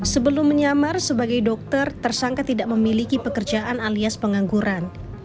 sebelum menyamar sebagai dokter tersangka tidak memiliki pekerjaan alias pengangguran